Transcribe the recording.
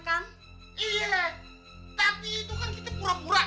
iya tapi itu kan kita pura pura